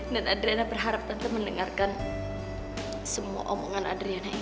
dan adriana berharap tante mendengarkan semua omongan adriana ini